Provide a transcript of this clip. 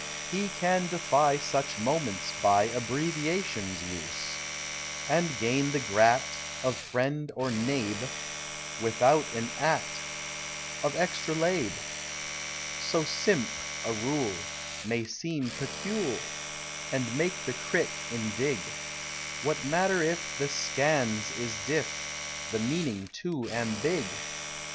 He can defy Such moments by Abbreviation's use, And gain the grat: Of friend or neighb: Without an at: Of extra lab: So simp: a rule May seem pecul: And make the crit: indig: What matter if The scans: is diff: The meaning too ambig